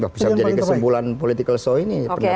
bisa menjadi kesimpulan political show ini